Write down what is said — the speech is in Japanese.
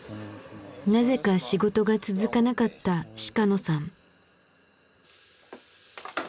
なぜか仕事が続かなかった鹿野さん。